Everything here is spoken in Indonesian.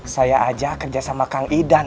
saya aja kerja sama kang idan